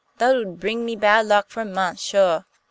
That 'ud bring me bad luck for a month, suah.